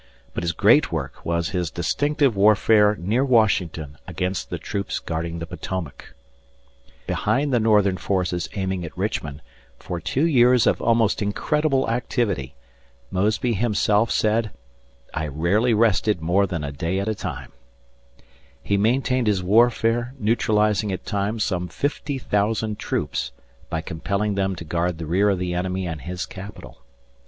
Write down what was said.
But his great work was his distinctive warfare near Washington against the troops guarding the Potomac. Behind the Northern forces aiming at Richmond, for two years of almost incredible activity Mosby himself said, "I rarely rested more than a day at a time" he maintained his warfare, neutralizing at times some fifty thousand troops by compelling them to guard the rear of the enemy and his capital.